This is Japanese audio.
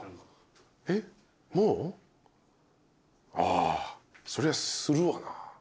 あそりゃするわな。